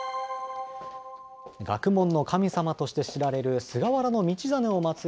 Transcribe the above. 学問の神様として知られる菅原道真を祭る